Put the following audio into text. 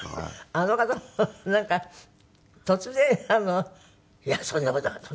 あの方もなんか突然「いやそんな事はそんな事はない。